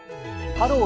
「ハロー！